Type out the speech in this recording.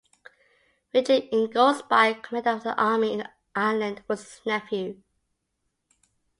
Richard Ingoldsby, commander of the Army in Ireland, was his nephew.